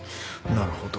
なるほど。